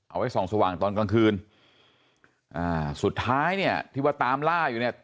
เอาไว้ส่องสว่างตอนกลางคืนอ่าสุดท้ายเนี่ยที่ว่าตามล่าอยู่เนี่ย